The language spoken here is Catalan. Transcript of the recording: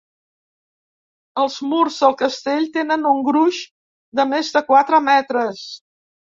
Els murs del castell tenen un gruix de més de quatre metres.